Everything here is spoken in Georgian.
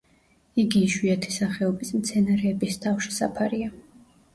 იგი იშვიათი სახეობის მცენარეების თავშესაფარია.